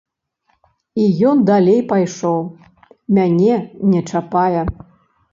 І ён далей пайшоў, мяне не чапае.